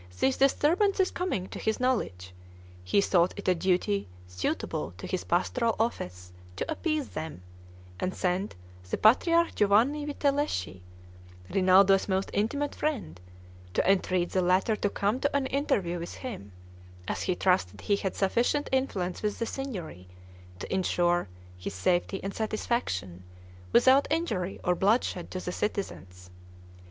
These disturbances coming to his knowledge, he thought it a duty suitable to his pastoral office to appease them, and sent the patriarch Giovanni Vitelleschi, Rinaldo's most intimate friend, to entreat the latter to come to an interview with him, as he trusted he had sufficient influence with the Signory to insure his safety and satisfaction, without injury or bloodshed to the citizens.